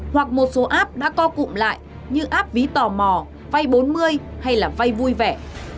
hoặc một số app đã co cụm lại như áp ví tò mò vay bốn mươi hay là vay vui vẻ